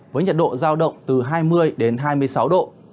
với nhiệt độ giao động từ hai mươi đến hai mươi sáu độ